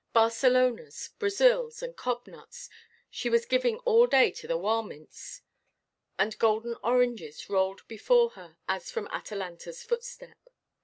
Barcelonas, Brazils, and cob–nuts she was giving all day to the "warmints;" and golden oranges rolled before her as from Atalantaʼs footstep.